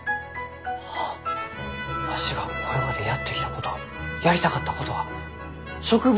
あわしがこれまでやってきたことやりたかったことは植物